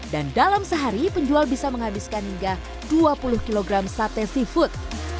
dan dalam sehari penjual bisa menghabiskan hingga dua puluh kg sate seafood